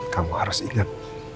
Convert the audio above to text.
kamu harus ingat